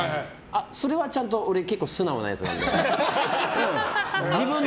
それはちゃんと俺、結構素直なやつなので。